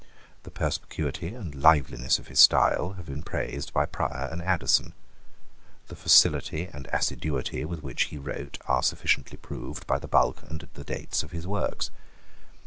The perspicuity and liveliness of his style have been praised by Prior and Addison. The facility and assiduity with which he wrote are sufficiently proved by the bulk and the dates of his works.